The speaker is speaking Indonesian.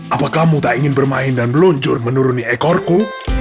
apakah kamu tidak ingin bermain dan berluncur menurunkan ekorku